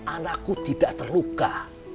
anakku tidak terluka